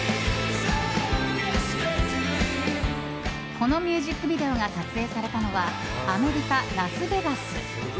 このミュージックビデオが撮影されたのはアメリカ・ラスベガス。